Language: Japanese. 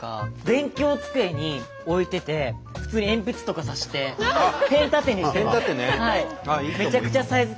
勉強机に置いてて普通に鉛筆とか挿してペン立てね。